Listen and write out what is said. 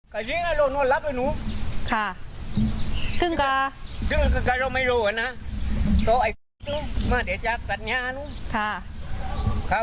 ก็ยิ่งอะไรโรงนี้ลับไว้นูค่ะจึงก่าจึงก็กะเราไม่รู้อะน่ะก็ไอ้นี่สิมาเดี๋ยวจะกะนี้อะนู้ค่ะข้าว